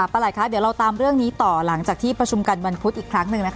เดี๋ยวเราตามเรื่องนี้ต่อหลังจากที่ประชุมกันวันพุธอีกครั้งหนึ่ง